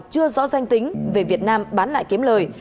chưa rõ danh tính về việt nam bán lại kiếm lời